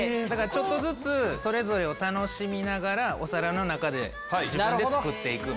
ちょっとずつそれぞれを楽しみながらお皿の中で自分で作って行く。